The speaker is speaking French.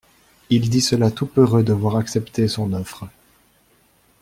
Il dit cela tout peureux de voir acceptée son offre.